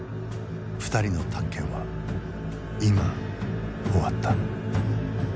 ２人の探検は今終わった。